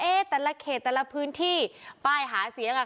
เอ๊ะแต่ละเขตแต่ละพื้นที่ป้ายหาเสียงแล้วค่ะ